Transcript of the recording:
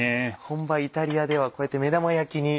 本場イタリアではこうやって目玉焼きに？